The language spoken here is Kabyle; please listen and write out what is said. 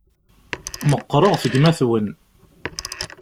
Meqqṛeɣ ɣef gma-twen.